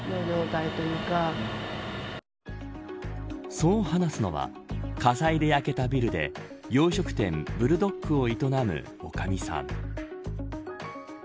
そう話すのは火災で焼けたビルで洋食店ブルドックを営むおかみさん。